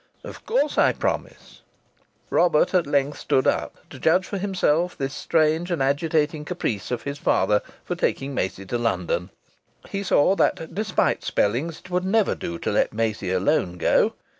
"Of course I promise." Robert at length stood up, to judge for himself this strange and agitating caprice of his father's for taking Maisie to London. He saw that, despite spellings, it would never do to let Maisie alone go.